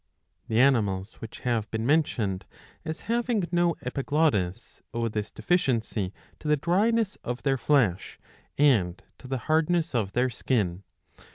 The animals which have been mentioned as having no epiglottis owe this deficiency to the dryness of their flesh and to the hardness of their skin.